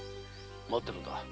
待ってるんだ。